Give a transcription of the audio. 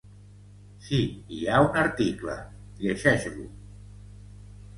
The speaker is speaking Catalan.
Si hi ha un article, llegeix-lo.